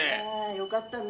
よかったね！